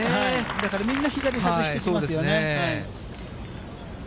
だからみんな左目指してきますよね。